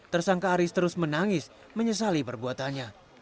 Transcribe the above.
tersangka aris terus menangis menyesali perbuatannya